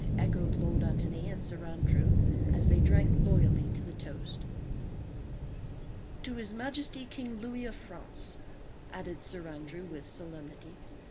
echoed Lord Antony and Sir Andrew as they drank loyally to the toast. "To His Majesty King Louis of France," added Sir Andrew, with solemnity.